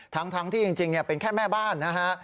ทั้งที่จริงเป็นแค่แม่บ้านนะฮะ